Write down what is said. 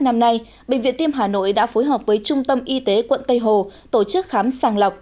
năm nay bệnh viện tim hà nội đã phối hợp với trung tâm y tế quận tây hồ tổ chức khám sàng lọc